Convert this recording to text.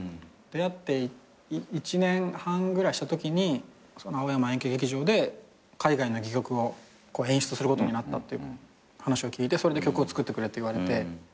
出会って１年半ぐらいしたときに青山円形劇場で海外の戯曲を演出することになったっていう話を聞いてそれで曲を作ってくれって言われて。